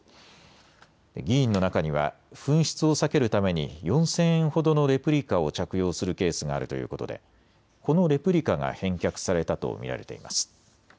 議員の中には紛失を避けるために４０００円ほどのレプリカを着用するケースがあるということでこのレプリカが返却されたと見られています。